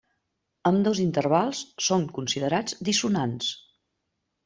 Ambdós intervals són considerats dissonants.